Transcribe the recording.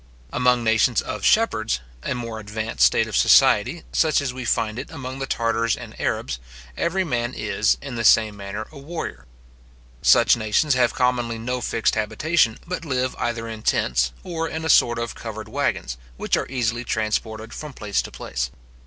Among nations of shepherds, a more advanced state of society, such as we find it among the Tartars and Arabs, every man is, in the same manner, a warrior. Such nations have commonly no fixed habitation, but live either in tents, or in a sort of covered waggons, which are easily transported from place to place.